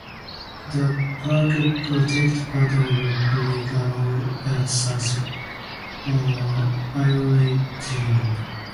The park protects part of Brigalow Belt South bioregion.